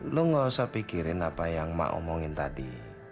lu gak usah pikirin apa yang mak omongin tadi